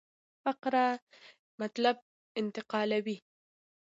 فقره مطلب انتقالوي.